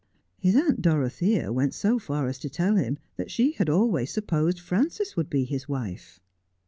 His aunt Dorothea went so far as to tell him that she had always supposed Frances would be his wife.